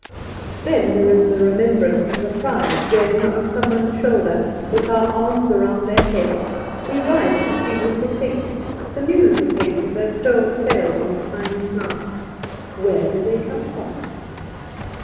Then there is remembrance of the pride when, on some one's shoulder, with our arms around their head, we ride to see the little pigs, the new little pigs with their curled tails and tiny snouts where do they come from?